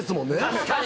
確かに。